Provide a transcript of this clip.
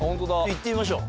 行ってみましょう。